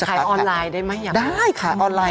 ขายออนไลน์ได้ไหมหนิ